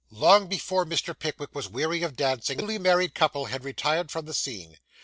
Long before Mr. Pickwick was weary of dancing, the newly married couple had retired from the scene.